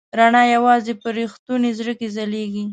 رڼا یواځې په رښتوني زړه کې ځلېږي.